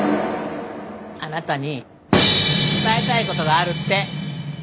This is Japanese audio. あなたに伝えたいことがあるって。